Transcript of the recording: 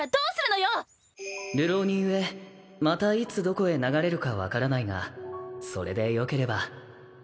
流浪人故またいつどこへ流れるか分からないがそれでよければ